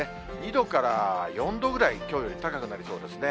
２度から４度ぐらいきょうより高くなりそうですね。